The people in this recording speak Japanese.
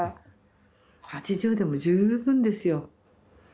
８０でも十分ですよ。